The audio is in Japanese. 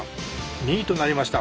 ２位となりました。